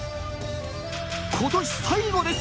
今年最後です。